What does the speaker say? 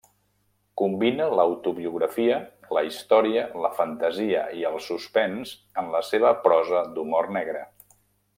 Combina l'autobiografia, la història, la fantasia i el suspens en la seva prosa d'humor negre.